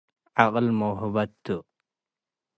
ዐቅል መውህበት ቱ።